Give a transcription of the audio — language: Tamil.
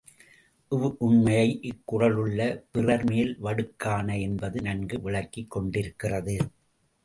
இவ்வுண்மையை இக் குறளிலுள்ள பிறர்மேல் வடுக்காண என்பது நன்கு விளக்கிக் கொண்டிருக்கிறது.